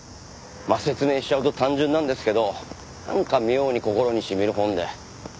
まあ説明しちゃうと単純なんですけどなんか妙に心に染みる本で。